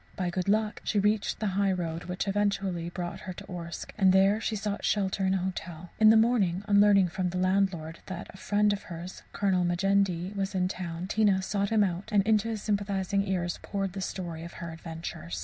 By good luck she reached the high road, which eventually brought her to Orsk; and there she sought shelter in a hotel. In the morning, on learning from the landlord that a friend of hers, a Colonel Majendie, was in the town, Tina sought him out, and into his sympathizing ears poured the story of her adventures.